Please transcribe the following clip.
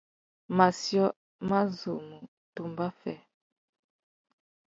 Matiō mà zu mú tumba fê.